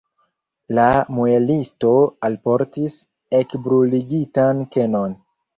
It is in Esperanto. La muelisto alportis ekbruligitan kenon.